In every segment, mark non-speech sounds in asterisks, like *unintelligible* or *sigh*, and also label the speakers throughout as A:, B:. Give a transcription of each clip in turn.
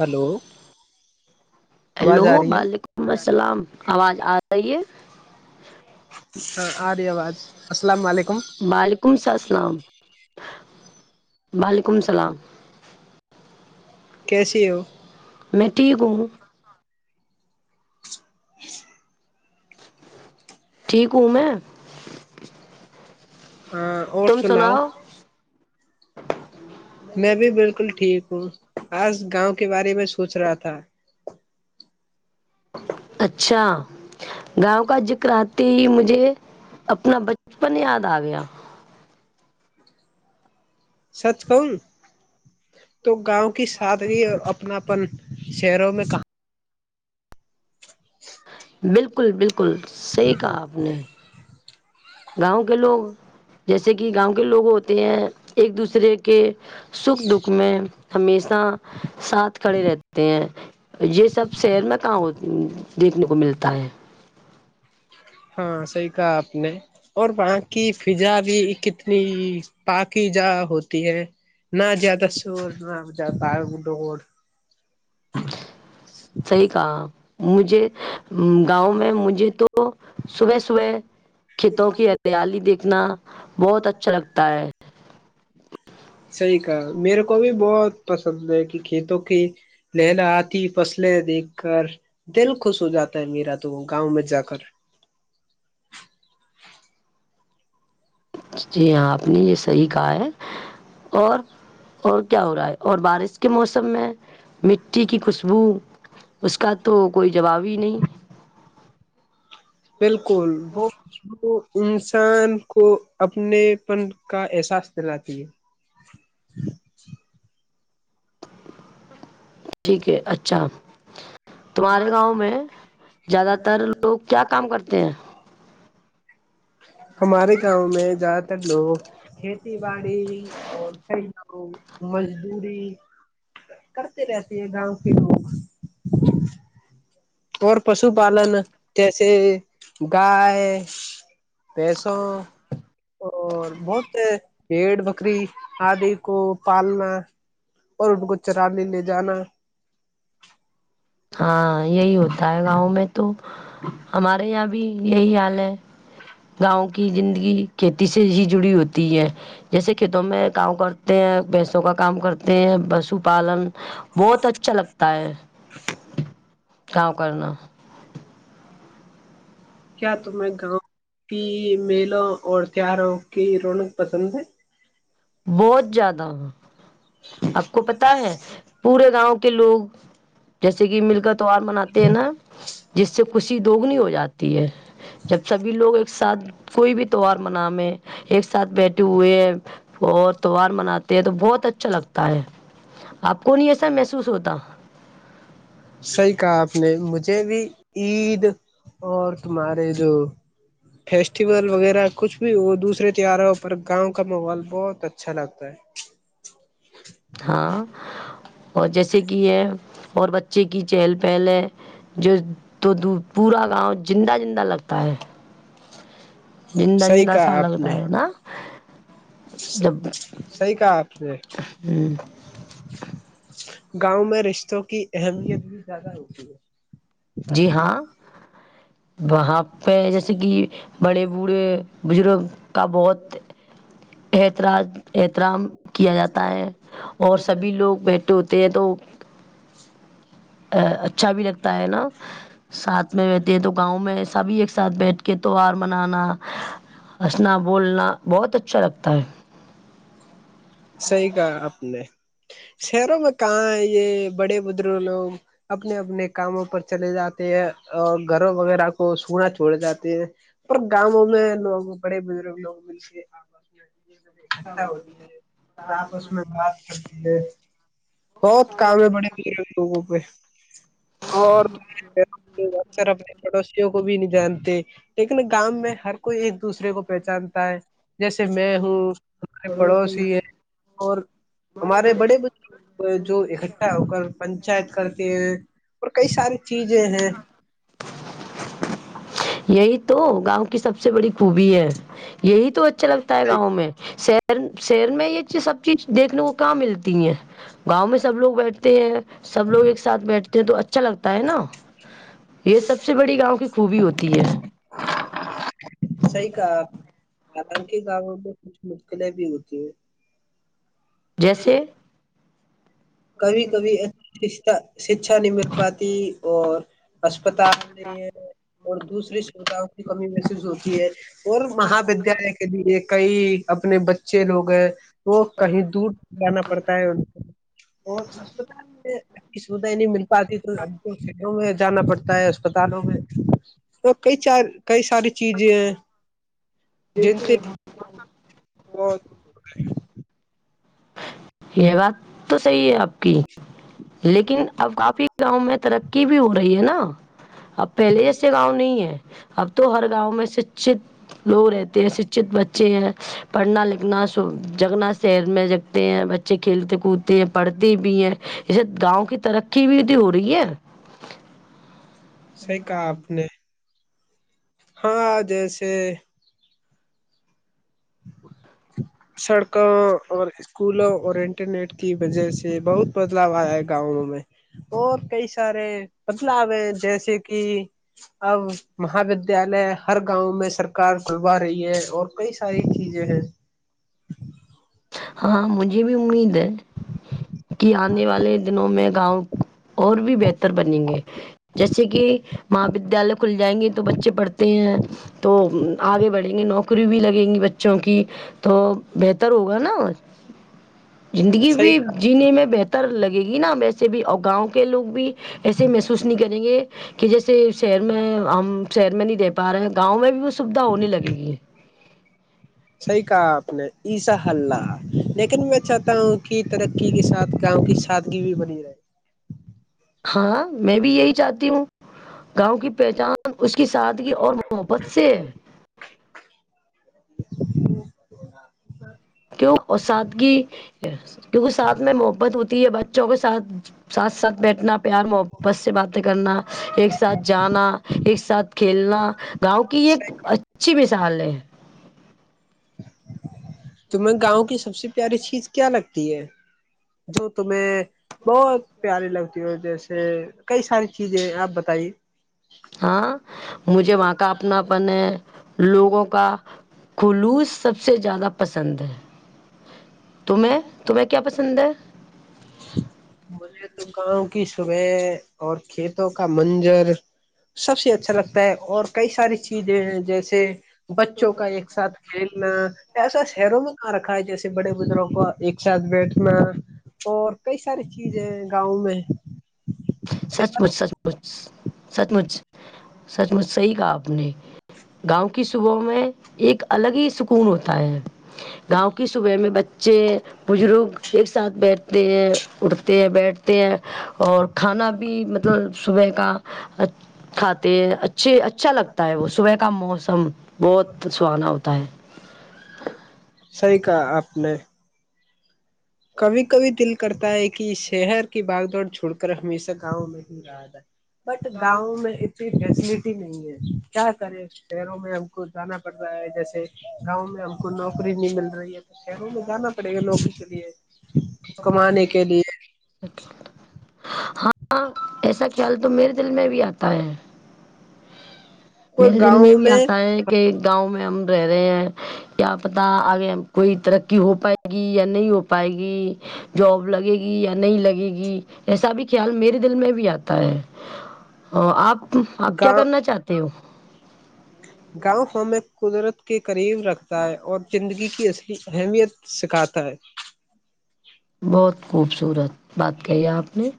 A: Hello آواز
B: hello
A: آ رہی ہے
B: بلیکم سلام آواز آ رہی ہے
A: ہاں آ رہی آواز السلام علیکم
B: وعلیکم السلام وعلیکم السلام
A: کیسے ہو
B: میں ٹھیک ہوں ٹھیک ہوں میں
A: ہاں اور سناؤ
B: ہچ
A: میں بھی بالکل ٹھیک ہوں آج گاؤں کے بارے میں سوچ رہا تھا
B: اچھا گاؤں کا ذکر آتے ہی مجھے اپنا بچپن یاد آ گیا
A: سچ کون تو گاؤں کی سادری اپنا اپن شہروں میں کہاں
B: بالکل بالکل صحی کہا آپ نے گاؤں کے لوگ جیسے کہ گاؤں کے لوگ ہوتے ہیں ایک دوسرے کے سکھ دکھ میں ہمیشہ ساتھ کھڑے رہتے ہیں یہ سب شہر میں کااں دیکھنے کو ملتا ہے
A: ہاں صحی کہا آپ نے اور وہاں کی فضا بھی کتنی پاکی جا ہوتی ہے نہ زیادہ شور نہ زیادہ ڈور
B: صحیح کہا مجھے گاؤں میں مجھے تو صبح صبح کھیتوں کی ہریالی دیکھنا بہت اچھا لگتا ہے
A: صحیح کہا میرے کو بھی بہت پسند ہے کہ کھیتوں کی لہلا آتی فصلیں دیکھ کر دل خوش ہو جاتا ہے میرا تو گاؤں میں جا کر
B: جی ہاں آپ نے یہ صحیح کہا ہے اور اور کیا ہو رہا ہے اور بارش کے موسم میں مٹی کی خوشبو اس کا تو کوئی جواب ہی نہیں
A: بالکل وہ تو انسان کو اپنے پن کا احساس دلاتی ہے
B: ٹھیک ہے اچھا تمہارے گاؤں میں زیادہ تر لوگ کیا کام کرتے ہیں
A: ہمارے گاؤں میں زیادہ تر و کھیتی باڑی اورو مزدی کرتے رہتے ہیں گاؤں کے لوگ اور پشو پالن سے گائے بیسوں اور بہت پڑ بکری آدی کو پالنا اور ان کو چرانے لے جانا
B: ہاں یہی ہوتا ہے گاؤں میں تو ہمارے یہاں بھی یہی حال ہے گاؤں کی زندگی کھیتی سے ہی جڑی ہوتی ہے جیسے کھیتوں میں کام کرتے ہیں بھینسوں کا کام کرتے پ بس پشو پالن بہت اچھا لگتا ہے کا کرنا
A: کیا تمیں گاؤں کی میلوں اور تیواروں کی رونق پسند ہے
B: بہت زیادہ آپ کو پتا ہے پورے گاؤں کے لوگ جیسے کہ مل کا تہوار مناتے ہیں نا جس سے خوشی دوگنی ہو جاتی ہے جب سبھی لوگ ایک ساتھ کوئی بھی تیوار من میں ایک ساتھ بیٹھے ہوئے اور تیوار مناتے ہیں تو بہت اچھا لگتا ہاں آپ کو نہیں ایسا محسوس ہوتا
A: صحیح کہا آپ نے مجھ ج بھی عید اور تمہارے جو فیسٹیول وغیرہ کچھ بھی وہ دوسرے تیواروں پر گاؤں کا ماحول بہت اچھا لگتا ہے
B: ہاں اور جیسے کہ یہ اور بچے کی چہل پہل ہے جو تو پورا گاؤں زندہ زندہ لگتا ہے جندہ جندا سا لگتا ہے نا جب
A: صحی کہا آپ نے گاؤں میں رشتوں کی اہمیت بھی زیادہ ہوتی ہے
B: جی ہاں وہاں پہ جیسے کہ بڑے بوڑھے بزرگ کا بہت احتراج احترام کیا جاتا ہے اور سبھی لوگ بیٹھے ہوتے ہیں تو اچھا بھی لگتا ہے ساتھ میں رہتی ہے تو گاؤں میں سبھی ایک ساتھ بیٹھ کے تیوار منانا ہنسنا بولنا بہت اچھا لگتا ہے
A: صحیح کہا اپ نے شہروں میں کہاں ہے یہ بڑے بزرگ لوگ اپنے اپنے کاموں پر چلے جاتے ہیں اور گھروں وغیرہ کو سونا چھوڑ جاتے ہیں پر گاؤوں میں لوگ بڑے بزرگ لوگ مل کے آپس میں یہ سب
B: کیا
A: اکٹھا
B: بول بھی
A: ہوتی
B: ہے
A: اور آپ اس میں بات کرتی ہے بہت کاابل بڑے ہو لوگوں پہ ت اور اکثر اپنے پڑوسیوں کو کو بھی نہیں جانتے لیکن گاؤں میں ہر کوئی ایک دوسرے کو پہچانتا ہے جیسے میں ہوں ہمارے پڑوسی ہی ہیں اور ہمارے بڑے بزرگ جو اکٹھا ہو کر پنچایت کرتے ہیں اور کئی ساری چیزیں ہیں
B: یہی تو گاؤں کی سب سے بڑی خوبی ہے یہی تو ا لگتا ہے گاؤں میں شہر شیر میں ہی چ سب چیز دیکنے کو کہاں ملتی ہے گاؤں میں سب لوگ بیٹھتے ہیں سب لوگ ایک ساتھ بیٹھ تو اچھا لگتا ہے نا یہ سب سے بڑی گاؤں کی خوبی ہوتی تی ہے
A: صحی کہ حالانکہ گاؤوں میں کچھ مشکلیں بھی ہوتی ہیں
B: جیسے
A: کبھی کبھی شکچھا نہیں مت پاتی اور اسسپتال نہیں ہے اور دوسرے شروتاؤں کی کمی محسوس ہوتی ہے اور مہا ودیالیہ کے بھی ایک کئی اپنے بچے لوگ ہیں تو کہیں دور جانا پڑتا ہے ان اور چ سے کسیمت ہی نہیں ملتا ادی تو جانا پڑتا ہے اسپتالوں میں تو کئی چار کئی ساری چیزیں ہیں جنتے
B: ج
A: *inaudible*
B: یہ بات تو صحیح ہے اب۔۔۔ لیکن اب کافی گاؤں میں ترقی بھی ہو رہی ہے نا۔ اب پہلے جیسے گاؤں نہیں ہے۔ اب تو ہر گاؤں میں سچت لوگ رہتے ہیں۔ سچت بچے ہیں۔ پڑھنا لکھنا، جگنا سحر میں جگتے ہیں۔ بچے کھیلتے کودتے ہیں۔ پڑھتے بھی ہیں جسے گاؤں کی ترقی۔۔۔۔۔۔ بھی تو ہو رہی ہے۔
A: صحیح کہا اپ نے۔ ہاں جیسے۔۔۔ سڑکوں اور اسکولوں اور انٹرنیٹ کی وجہ سے بہت بدلاؤ آیا ہے گاؤوں میں اور کئی سارے بدلاؤ ہیں جیسے کہ اب مہا ودیالیہ ہر گاؤں میں سرکار کلوا رہی ہے اور کئی ساری چیزیں ہیں۔ *unintelligible*
B: ہاں مجھے بھی امید ہے۔ کہ آنے والے دنوں میں گاؤں۔۔۔ اور بھی بہتر بنیں گے جیسے۔۔۔ کی مہا ودیال۔۔۔۔ کھل جائیں گے تو بچے پڑھتے ہیں۔ تو آگے بڑھیں گے۔ نوکری بھی لگیں گی بچوں کی۔ تو بہتر ہوگا نا۔ زندگی
A: صحیح
B: بھی۔۔۔
A: کہا
B: جینے میں بہتر لگے گی نا۔ ویسے بھی اور گاؤں کے لوگ بھی۔۔۔ ایسے محسوس نہیں کریں گے کہ جیسے شہر میں ہم۔۔۔ شہر میں نہیں رہ پا رہے ہیں گؤں میں بھی اس۔۔۔ سویدھاؤ ہونے لگے گی۔
A: صحیح کہا آپ نے ای سا ہل رہ۔ لیکن میں چاہتا ہوں کہ ترقی کے ساتھ گاؤں کی سادگی بھی بنی رہے۔
B: ہاں میں بھی یہی چاہتی ہوں۔ گاؤں کی پہچان اس کے سادگی۔۔۔ اور محبت سے ہے۔ کیوں سادگی کیونکہ ساتھ میں محبت ہوتی ہے۔ بچوں کے ساتھ ساتھ ساتھ بیٹھنا پیار محبت سے باتیں کرنا ایک ساتھ جانا ایک ساتھ کھیلنا گاؤں کی ایک اچھی مثال ہے۔
A: تمہیں گاوں کی سب سے پیاری چیز۔۔۔ کیا لگتی ہے؟ جو تمہیں۔۔۔ بہت پیارے لگتے۔۔ جیسے کئی ساری چیزیں ہے۔ آپ بتائیے۔
B: ہاں مجھے وہاں کا اپنا پن ہے۔ لوگوں کا خلوص سب سے زیادہ۔۔۔ پسند ہے۔ تمہیں تمہیں کیا پسند۔۔۔ سندر ہے۔ ،
A: مجھے تو گاؤں کی صبح اور کھیتوں کا منظر سب سے اچھا لگتا ہے اور کئی ساری چیزیں ہیں جیسے۔۔۔ بچوں کا ایک ساتھ کھیلنا۔۔ ایسا شہروں میں کا رکھا ہے جیسے بڑے بزرگوں کو ایک ساتھ بیٹھنا۔ اور کئی ساری چیزیں گاؤں میں صحیح
B: سچ مچ
A: کہا
B: سچ مچ سچ مچ سچ مچ صحیح کہا آپ نے گاؤں کی صبحوں میں ایک الگ ہی سکون ہوتا ہے گاؤں کی صبح میں بچے بزرگ ایک ساتھ بیٹھتے ہیں اٹھتے ہیں بیٹھتے ہیں اور کھانا بھی صبح کا کھاتے ہیں اچھے اچھا لگتا ہے وہ صبح کا موسم بہت سہانا ہوتا ہے
A: پلنے کبھی کبھی دل کرتا ہے کہ شہر کی باگدڑ چھوڑ کر ہمیشہ گاؤں میں ہی رہا تھا بٹ گاؤں میں اتنی فلٹی نہیں ہے کیا کرے شہروں میں ہم کو جانا پڑ رہا ہے جیسے گاؤں میں ہم کو نوکری نہیں مل رہی ہے تو شہروں میں جانا پڑے گا لوگ جی
B: ہاں ہاں ایسا خیال تو میرے دل میں بھی آتا ہے
A: اور
B: میرے دل میں
A: گاؤں
B: بھی آتا ہے کہ گاؤں میں ہم رہ رہے ہیں کیا پتا آگے کوئی ترقی ہو پائے گی یا نہیں ہو پائے گی جاب لگے گی یا نہیں لگے گی ایسا بھی خیال میرے دل میں بھی آتا ہے ا آپ آپ کیا کرنا چاہتے سککو
A: گاؤ ہم قدرت کے قریب رکھتا ہے اور زندگی کی اصلی اہمیت سکھاتا ہے
B: بہت خوبصورت بات کہی ہے آپ نے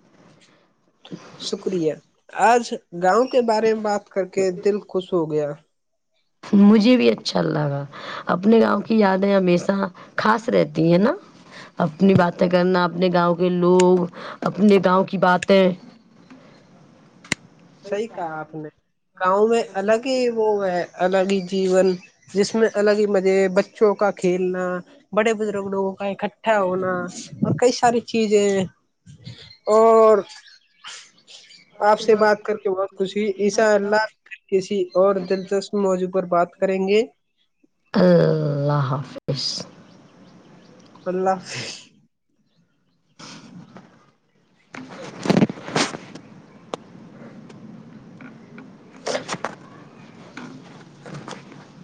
A: شکریہ آج گاؤں کے بارے میں بات کر کے دل خوش ہو گیا
B: مجھے بھی اچھا لگا اپنے گاؤں کی یادیں ہمیشہ خاص رہتی ہیں نا اپنی باتیں کرنا اپنے گاؤں ے لوگ اپنے گاؤں کی بات ت
A: صحیح کہا آپ نے گاؤں میں الگ ہی وہ ہے الگ ہی جیون جس میں الگ ہی مزے بچوں کا کھیلنا بڑے بزرگ لوگوں کا اکٹھا ہونا اور کئی ساری چیزیں اور
B: آپ سے بات
A: کر کے بہت خوشی ہوئی عشاء اللہ کسی اور دلچسپ موضوع پر بات کو کریں گے
B: اللہ حافظ خوس
A: اللہ حافظ
B: *inaudible*